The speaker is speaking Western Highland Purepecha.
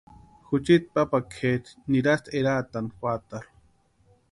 Juchiti papakʼeri nirasti eraatani juatarhu.